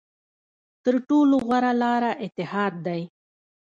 تر ټولو غوره لاره اتحاد دی.